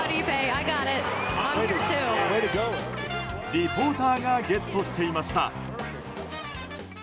リポーターがゲットしていました。